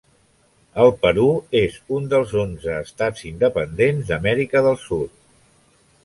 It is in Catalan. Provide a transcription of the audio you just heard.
El Perú és un dels onze estats independents d'Amèrica del Sud.